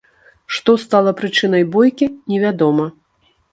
Што стала прычынай бойкі, невядома.